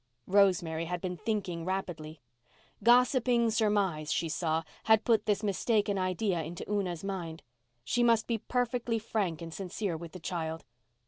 Rosemary had been thinking rapidly. Gossiping surmise, she saw, had put this mistaken idea into Una's mind. She must be perfectly frank and sincere with the child.